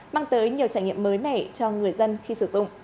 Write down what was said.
mang tới nhiều trải nghiệm mới mẻ cho người dân khi sử dụng